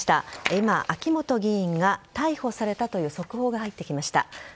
今、秋本議員が逮捕されたという速報が入ってきました。